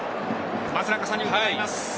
松中さんに伺います。